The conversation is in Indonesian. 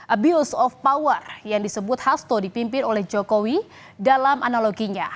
abuse of power yang disebut hasto dipimpin oleh jokowi dalam analoginya